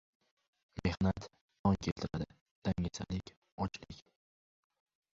• Mehnat non keltiradi, dangasalik — ochlik.